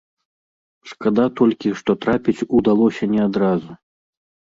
Шкада толькі, што трапіць удалося не адразу.